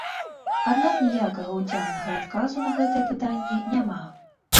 Аднак ніякага ўцямнага адказу на гэтае пытанне няма.